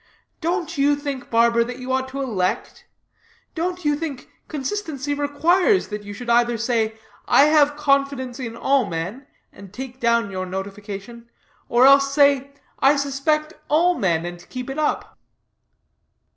Don't you think, barber, that you ought to elect? Don't you think consistency requires that you should either say 'I have confidence in all men,' and take down your notification; or else say, 'I suspect all men,' and keep it up."